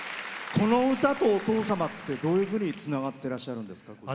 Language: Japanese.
この歌とお父様ってどういうふうにつながってらっしゃるんです？